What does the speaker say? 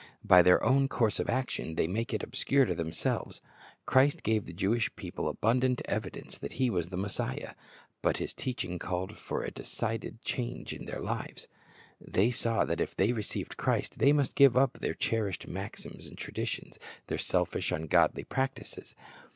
By their own course of action they make it obscure to themselves. Christ gave the Jewish people abundant evidence that He was the Messiah; but His teaching called for a decided change in their lives. They saw that if they received Christ, they must give up their cherished maxims and traditions, their selfish, ungodly practises.